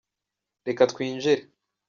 reka twinjire.